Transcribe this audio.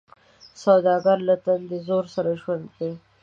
سوالګر له تندي زور سره ژوند تېروي